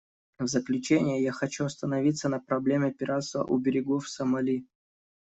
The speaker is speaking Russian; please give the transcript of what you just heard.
В заключение я хочу остановиться на проблеме пиратства у берегов Сомали.